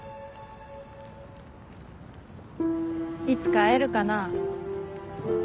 いつか会えるかな。